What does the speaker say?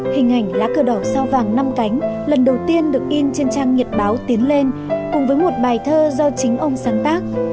hình ảnh lá cờ đỏ sao vàng năm cánh lần đầu tiên được in trên trang nhật báo tiến lên cùng với một bài thơ do chính ông sáng tác